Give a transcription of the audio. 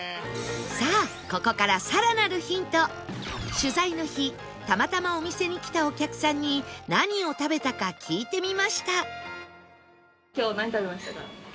さあここから取材の日たまたまお店に来たお客さんに何を食べたか聞いてみました